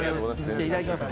いただきます。